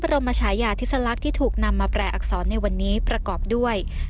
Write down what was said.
รมชายาธิสลักษณ์ที่ถูกนำมาแปลอักษรในวันนี้ประกอบด้วย